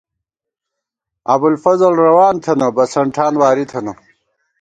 ابُوالفضل روان تھنہ ، بَسن ٹھان واری تھنہ